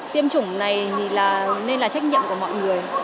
tiêm chủng này nên là trách nhiệm của mọi người